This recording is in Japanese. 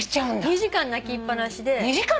２時間泣きっぱなし。